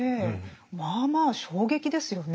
まあまあ衝撃ですよね。